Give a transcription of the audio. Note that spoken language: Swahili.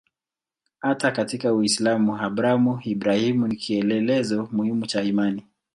Hata katika Uislamu Abrahamu-Ibrahimu ni kielelezo muhimu cha imani.